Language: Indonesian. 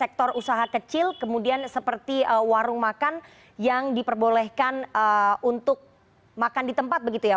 sektor usaha kecil kemudian seperti warung makan yang diperbolehkan untuk makan di tempat begitu ya